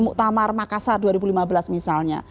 di tamar makassar dua ribu lima belas misalnya